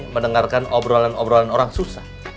mendengarkan obrolan obrolan orang susah